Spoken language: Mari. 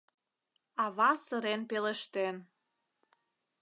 — ава сырен пелештен.